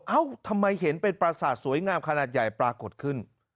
เอ้าทำไมเห็นเป็นประสาทสวยงามขนาดใหญ่ปรากฏขึ้น